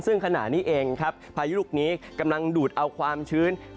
ซึ่งขณะนี้เองครับพายุลูกนี้กำลังดูดเอาความชื้น